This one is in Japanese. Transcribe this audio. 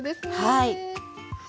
はい。